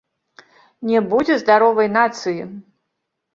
Не будзе здаровай нацыі.